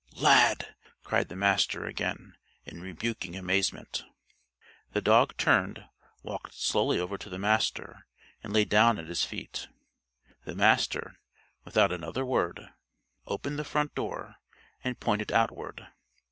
"Lad!" cried the Master again, in rebuking amazement. The dog turned, walked slowly over to the Master and lay down at his feet. The Master, without another word, opened the front door and pointed outward.